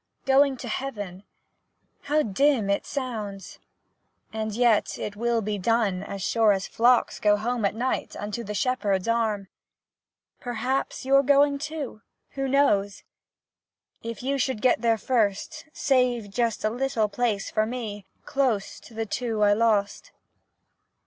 Going to heaven! How dim it sounds! And yet it will be done As sure as flocks go home at night Unto the shepherd's arm! Perhaps you 're going too! Who knows? If you should get there first, Save just a little place for me Close to the two I lost!